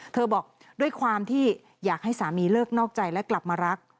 บอกด้วยความที่อยากให้สามีเลิกนอกใจและกลับมารัก